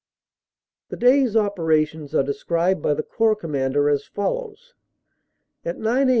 The day s operations are described by the Corps Com mander as follows : "At 9 a.